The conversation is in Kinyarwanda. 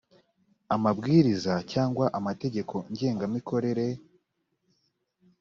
amabwiriza cyangwa amategeko ngengamikorere